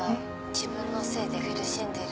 「自分のせいで苦しんでる」